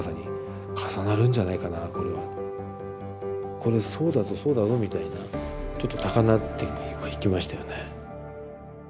これそうだぞそうだぞみたいなちょっと高鳴ってはいきましたよね。